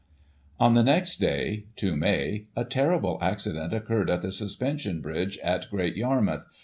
On the next day (2 May) a terrible accident occurred at the Suspension bridge at Great Yarmouth.